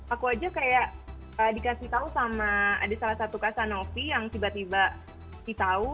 aku aja kayak dikasih tahu sama ada salah satu kasanovi yang tiba tiba ditahu